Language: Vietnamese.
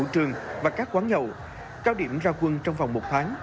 trường và các quán nhậu cao điểm ra quân trong vòng một tháng